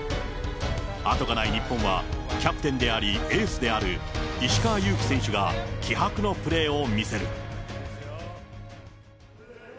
後がない日本は、キャプテンでありエースである、石川祐希選手が気迫のプレーを見せる。